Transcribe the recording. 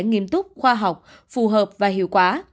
nghiêm túc khoa học phù hợp và hiệu quả